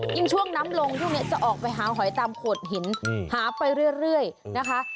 ยิ่งช่วงน้ำลงช่วงนี้จะออกไปหาหอยตามโขดหินหาไปเรื่อยนะคะ